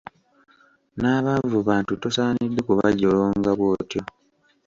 N'abaavu bantu tosaanidde kubajolonga bw'otyo.